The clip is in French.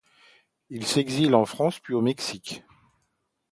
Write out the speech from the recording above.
Il s'exile en France, puis au Mexique.